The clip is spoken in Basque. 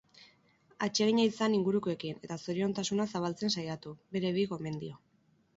Atsegina izan ingurukoekin eta zoriontasuna zabaltzen saiatu, bere bi gomendio.